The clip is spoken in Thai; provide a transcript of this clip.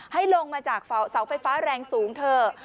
ลงมาจากเสาไฟฟ้าแรงสูงเถอะ